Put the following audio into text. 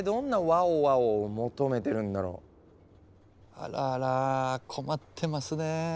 あらら困ってますね。